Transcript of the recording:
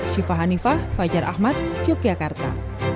syifa hanifah fajar ahmad yogyakarta